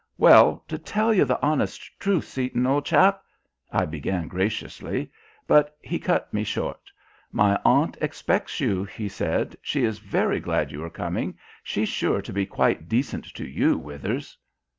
"Well, to tell you the honest truth, Seaton, old chap " I began graciously; but he cut me short. "My aunt expects you," he said; "she is very glad you are coming. She's sure to be quite decent to you, Withers."